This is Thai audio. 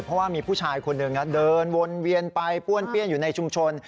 เพราะว่ามีผู้ชายคนหนึ่งเดินวนเวียนไปป้วนเปี้ยนอยู่ในชุมชน